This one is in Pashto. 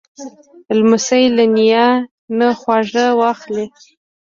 لمسی له نیا نه خواږه واخلې.